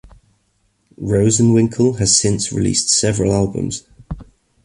Rosenwinkel has since released several albums.